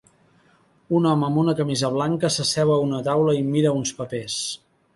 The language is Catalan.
Un home amb una camisa blanca s'asseu a una taula i mira uns papers.